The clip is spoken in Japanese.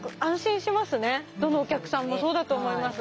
どのお客さんもそうだと思います。